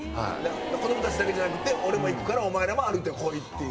子供たちだけじゃなくて俺も行くからお前らも歩いてこいっていう。